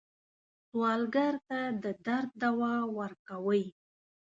سوالګر ته د درد دوا ورکوئ